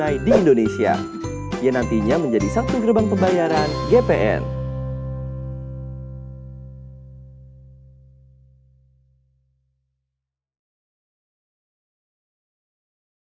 dan juga dapat memiliki keuntungan yang lebih baik untuk penduduk dan anak anak yang memiliki keuntungan yang lebih baik